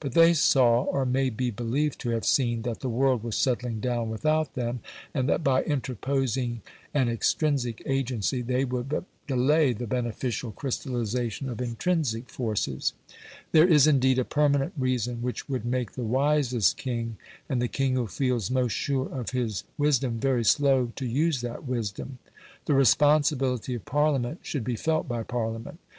But they saw, or may be believed to have seen, that the world was settling down without them, and that by interposing an extrinsic agency, they would but delay the beneficial crystallisation of intrinsic forces. There is, indeed, a permanent reason which would make the wisest king, and the king who feels most sure of his wisdom, very slow to use that wisdom. The responsibility of Parliament should be felt by Parliament.